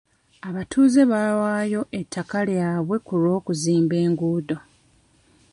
Abatuuze bawaayo ettaka lyabwe ku lw'okuzimba enguudo.